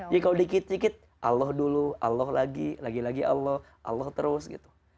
ya kalau dikit dikit allah dulu allah lagi lagi lagi allah allah terus gitu